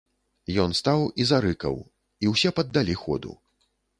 Ён стаў і зарыкаў, і ўсе паддалі ходу.